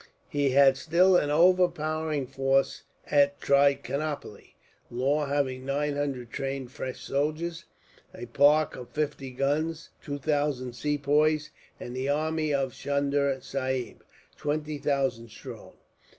He had still an overpowering force at Trichinopoli, Law having nine hundred trained French soldiers, a park of fifty guns, two thousand Sepoys, and the army of Chunda Sahib, twenty thousand strong.